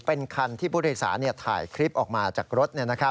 เป็นคันที่บุรีศาเนี่ยถ่ายคลิปออกมาจากรถ